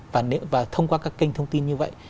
và thông qua các kênh thông tin như vậy